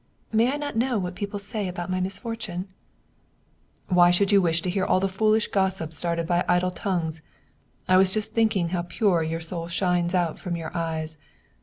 May I not know what people say about my misfortune ?"" Why should you wish to hear all the foolish gossip started by idle tongues ? I was just thinking how pure your soul shines out from your eyes.